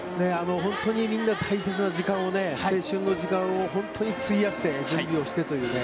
本当にみんな大切な時間を青春の時間を本当に費やして準備をしてというね。